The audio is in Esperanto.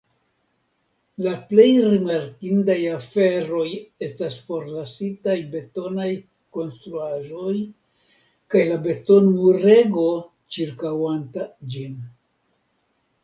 La plej rimarkindaj aferoj estas forlasitaj betonaj konstruaĵoj kaj la beton-murego ĉirkaŭanta ĝin.